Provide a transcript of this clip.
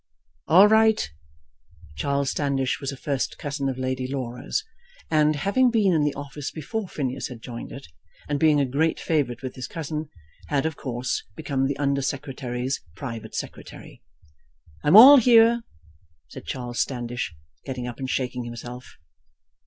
"All right!" Charles Standish was a first cousin of Lady Laura's, and, having been in the office before Phineas had joined it, and being a great favourite with his cousin, had of course become the Under Secretary's private secretary. "I'm all here," said Charles Standish, getting up and shaking himself.